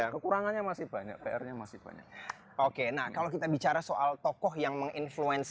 kekurangannya masih banyak pr nya masih banyak oke nah kalau kita bicara soal tokoh yang menginfluen